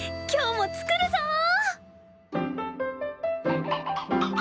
今日も作るぞ！